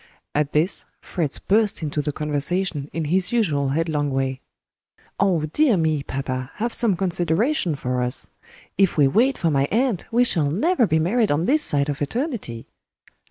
At this, Fritz burst into the conversation in his usual headlong way. "Oh, dear me, papa, have some consideration for us! If we wait for my aunt, we shall never be married on this side of eternity."